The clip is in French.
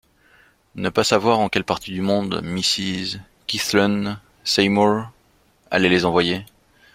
Ne pas savoir en quelle partie du monde Mrs Kethlen Seymour allait les envoyer!